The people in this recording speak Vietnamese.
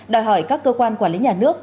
đòi hỏi các cơ quan quản lý nhà nước